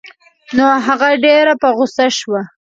نو هغه ډېره په غوسه شوه.